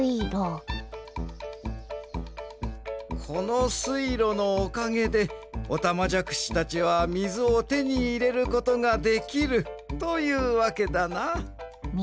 このすいろのおかげでおたまじゃくしたちはみずをてにいれることができるというわけだな。